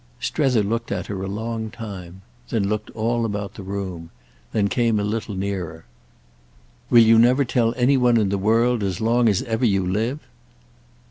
Strether looked at her a long time; then looked all about the room; then came a little nearer. "Will you never tell any one in the world as long as ever you live?"